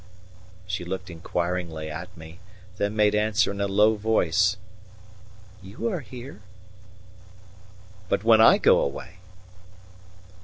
She looked inquiringly at me, then made answer in a low voice: "You are here." "But when I go away?"